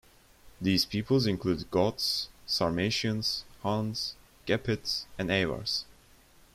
These peoples included Goths, Sarmatians, Huns, Gepids and Avars.